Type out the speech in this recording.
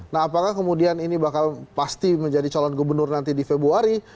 nah apakah kemudian ini bakal pasti menjadi calon gubernur nanti di februari